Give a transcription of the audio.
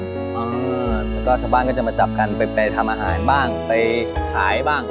แล้วก็ชาวบ้านก็จะมาจับกันไปไปทำอาหารบ้างไปขายบ้าง